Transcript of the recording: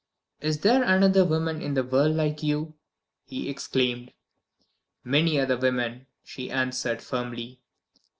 "Is there another woman in the world like you!" he exclaimed. "Many other women," she answered, firmly.